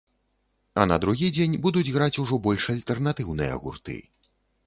А на другі дзень будуць граць ужо больш альтэрнатыўныя гурты.